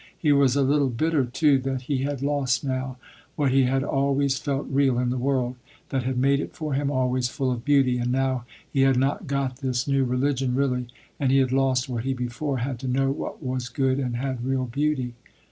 He was a little bitter too, that he had lost now, what he had always felt real in the world, that had made it for him always full of beauty, and now he had not got this new religion really, and he had lost what he before had to know what was good and had real beauty.